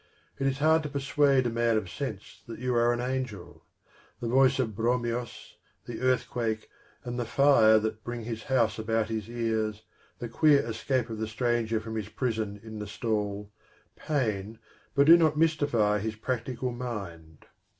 It is hard to persuade a man of sense that you are an angel. The voice of Bromios, the earthquake and the fire that bring his house about his ears, the queer escape of the stranger from his prison in the stall, pain, but do not mystify his practical mind.